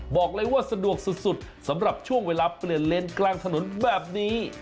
บอกเลยว่าสะดวกสุดสำหรับช่วงเวลาเปลี่ยนเลนกลางถนนแบบนี้